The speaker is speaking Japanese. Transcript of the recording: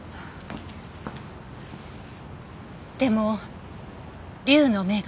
でも龍の目が。